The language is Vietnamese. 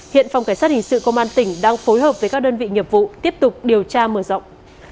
hiện phòng cảnh sát hình sự công an tỉnh đang phối hợp với các đơn vị nghiệp vụ tiếp tục điều tra mở rộng